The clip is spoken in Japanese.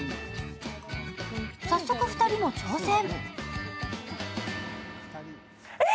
早速２人も挑戦。